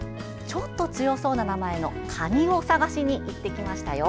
ちょっと強そうな名前のカニを探しにいってきましたよ。